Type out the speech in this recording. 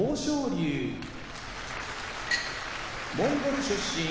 龍モンゴル出身